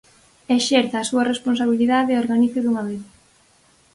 Exerza a súa responsabilidade e organice dunha vez.